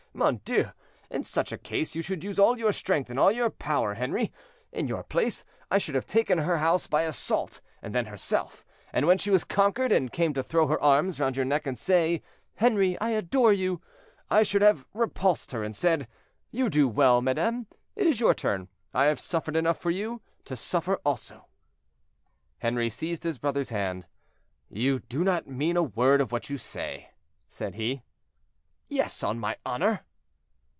Oh! mon Dieu! in such a case you should use all your strength and all your power, Henri. In your place, I should have taken her house by assault, and then herself; and when she was conquered, and came to throw her arms round your neck and say, 'Henri, I adore you,' I should have repulsed her, and said, 'You do well, madame; it is your turn—I have suffered enough for you—to suffer also.'" Henri seized his brother's hand. "You do not mean a word of what you say," said he. "Yes, on my honor."